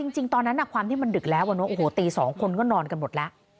จริงตอนนั้นความที่มันดึกแล้วโอ้โหตี๒คนก็นอนกันหมดแล้ว